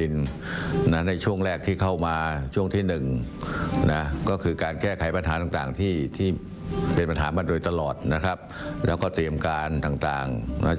รองนายกรัฐมนตรีและรัฐมนตรีว่าการกระทรวงกลาหงศ์